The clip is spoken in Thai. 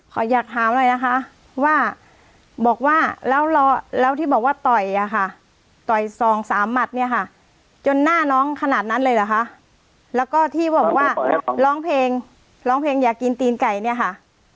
ขออยากถามหน่อยนะคะว่าบอกว่าแล้วที่บอกว่าต่อยอะค่ะต่อยสองสามหมัดเนี่ยค่ะจนหน้าน้องขนาดนั้นเลยเหรอคะแล้วก็ที่บอกว่าร้องเพลงร้องเพลงอยากกินตีนไก่เนี่ยค่ะ